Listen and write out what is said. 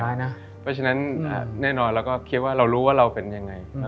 เพราะฉะนั้นแน่นอนเราก็คิดว่าเรารู้ว่าเราเป็นยังไง